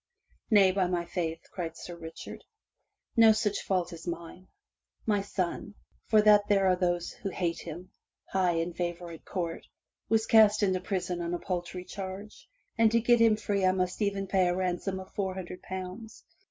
"Nay, by my faith," cried Sir Richard, "No such fault is mine. My son, for that there are those who hate him high in favor at court, was cast into prison on a paltry charge, and to get him free I must e'en pay a ransom of four hundred pounds.